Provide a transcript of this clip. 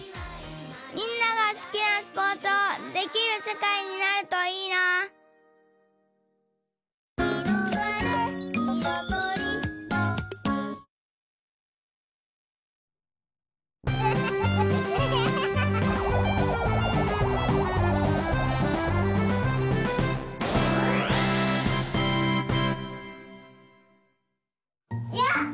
みんながすきなスポーツをできるせかいになるといいないや！